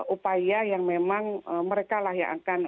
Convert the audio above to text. upaya yang memang merekalah yang akan